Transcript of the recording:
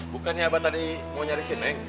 bukannya abah tadi mau nyarisin neng